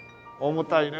重たいね。